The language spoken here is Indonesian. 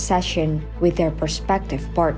dengan pasangan perspektif mereka